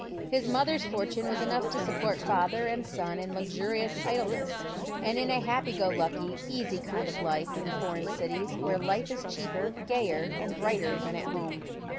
His mother's fortune was enough to support father and son in luxurious idle ness, and in a happy go lucky, easy kind of life in foreign cities, where life is cheaper, gayer, and brighter than at home.